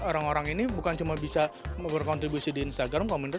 orang orang ini bukan cuma bisa berkontribusi di instagram komenter